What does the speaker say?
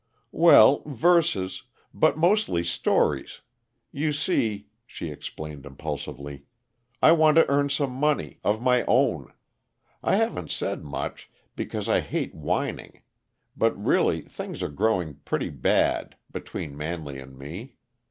"Well, verses, but mostly stories. You see," she explained impulsively, "I want to earn some money of my own. I haven't said much, because I hate whining; but really, things are growing pretty bad between Manley and me.